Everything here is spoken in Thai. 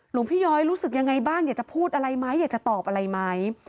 หลวงพี่ย้อยรู้สึกยังไงบ้างอยากจะพูดอะไรไหมอยากจะตอบอะไรไหม